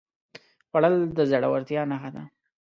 خوړل د زړورتیا نښه ده